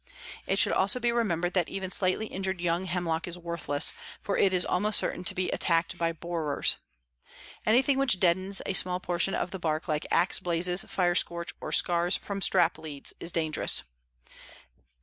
It should also be remembered that even slightly injured young hemlock is worthless, for it is almost certain to be attacked by borers. Anything which deadens a small portion of the bark like axe blazes, fire scorch, or scars from strap leads, is dangerous.